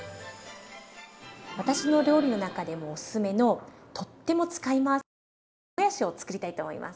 私の料理の中でもおすすめのとっても使い回せる酢もやしをつくりたいと思います。